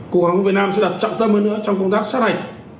cục hàng quốc việt nam sẽ đặt trọng tâm hơn nữa trong công tác xác hạch